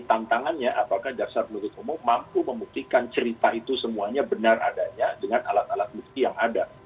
tantangannya apakah jaksa penutup umum mampu membuktikan cerita itu semuanya benar adanya dengan alat alat bukti yang ada